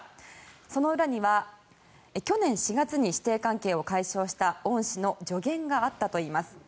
その裏には去年４月に師弟関係を解消した恩師の助言があったといいます。